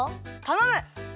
たのむ！